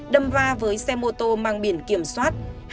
đâm va với xe mô tô mang biển kiểm soát